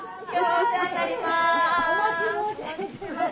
お世話になります！